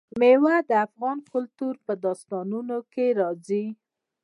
مېوې د افغان کلتور په داستانونو کې راځي.